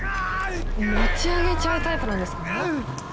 持ち上げちゃうタイプなんですか？